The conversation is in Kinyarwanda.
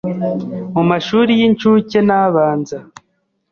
mu mashuri y’incuke n’abanza